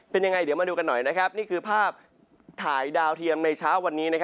เป็นยังไงเดี๋ยวมาดูกันหน่อยนะครับนี่คือภาพถ่ายดาวเทียมในเช้าวันนี้